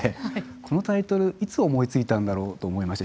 このタイトルいつ思いついたんだろうと思いました。